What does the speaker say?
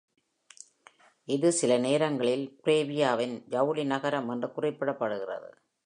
இது சில நேரங்களில் "பவேரியாவின் ஜவுளி நகரம்" என்று குறிப்பிடப்படுகிறது.